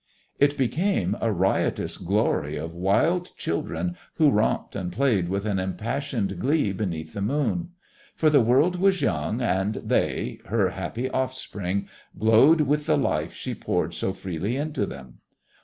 It became a riotous glory of wild children who romped and played with an impassioned glee beneath the moon. For the world was young and they, her happy offspring, glowed with the life she poured so freely into them.